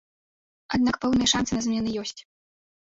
Аднак пэўныя шансы на змены ёсць.